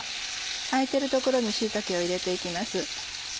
空いてる所に椎茸を入れて行きます。